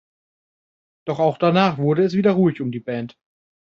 Doch auch danach wurde es wieder ruhig um die Band.